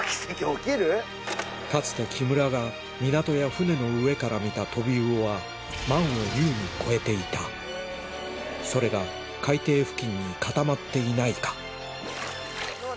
かつて木村が港や船の上から見たトビウオは万を優に超えていたそれが海底付近に固まっていないか？